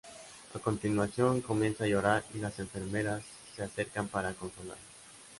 A continuación, comienza a llorar y las enfermeras se acercan para consolarla.